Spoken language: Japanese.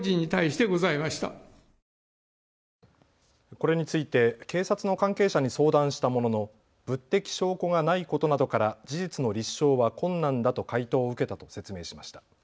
これについて警察の関係者に相談したものの物的証拠がないことなどから事実の立証は困難だと回答を受けたと説明しました。